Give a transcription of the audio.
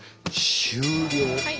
終了。